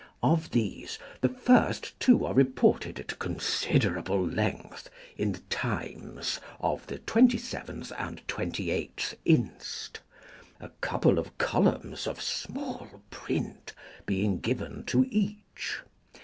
Of these the first two are reported at considerable length in the Times of the 27th and 28th inst., a couple of columns of small print being given to each.